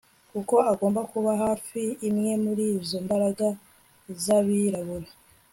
kuko agomba kuba afite imwe muri izo mbaraga zabirabura